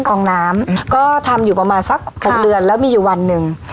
ก็ทำอยู่ประมาณสักหกเดือนแล้วมีอยู่วันหนึ่ง